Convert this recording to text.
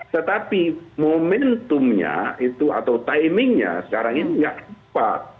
tetapi momentumnya itu atau timingnya sekarang ini tidak tepat